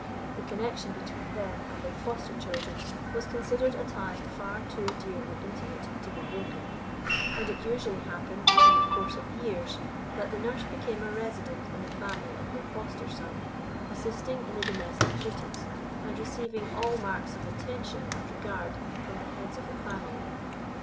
The connexion between them and their foster children was considered a tie far too dearly intimate to be broken; and it usually happened, in the course of years, that the nurse became a resident in the family of her foster son, assisting in the domestic duties, and receiving all marks of attention and regard from the heads of the family.